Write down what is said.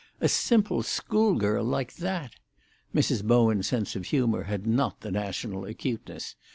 A simple schoolgirl like that!" Mrs. Bowen's sense of humour had not the national acuteness.